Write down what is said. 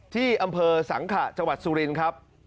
ที่อำเภอสังขะจังหวัดสุรินครับ